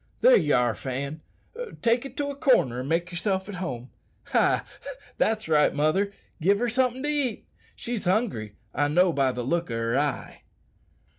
"There you are, Fan; take it to a corner and make yourself at home. Ay, that's right, mother, give her somethin' to eat; she's hungry, I know by the look o' her eye."